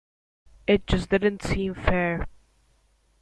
It just didn't seem fair.